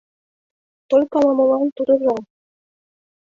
Только ала-молан тудо жал.